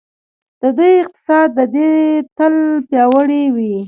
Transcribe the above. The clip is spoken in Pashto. د دوی اقتصاد دې تل پیاوړی وي.